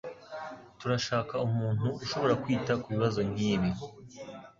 Turashaka umuntu ushobora kwita kubibazo nkibi